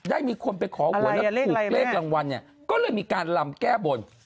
ได้มีคนไปขอผลควรมาถูกเลขลังวัลก็เลยมีการลำแก้บวน